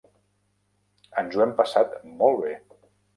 Ens ho hem passat molt bé.